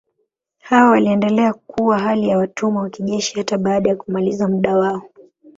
Hao waliendelea kuwa hali ya watumwa wa kijeshi hata baada ya kumaliza muda wao.